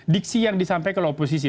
diksi yang disampaikan oposisi